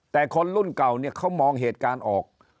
แต่คนรุ่นเก่าเนี่ยเขามองเหตุการณ์ออก